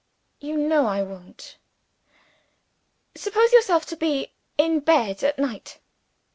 "You know I won't." "Suppose yourself to be in bed at night."